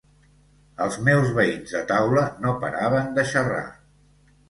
Els meus veïns de taula no paraven de xerrar.